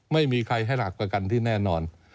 ไม่มีใครให้หลักประกันที่แน่นอน